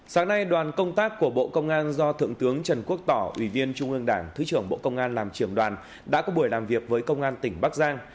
sáng nay đoàn công tác của bộ công an do thượng tướng trần quốc tỏ ủy viên trung ương đảng thứ trưởng bộ công an làm trưởng đoàn đã có buổi làm việc với công an tỉnh bắc giang